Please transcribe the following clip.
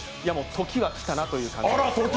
時は来たなという感じです。